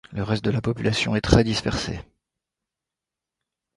Le reste de la population est très dispersée.